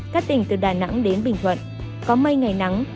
các tỉnh từ đà nẵng đến bình thuận có mây ngày nắng